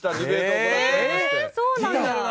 そうなんだ。